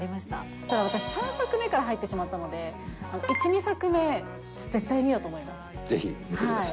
ただ私、３作目から入ってしまったので、１、２作目、絶対見ようと思いまぜひ見てください。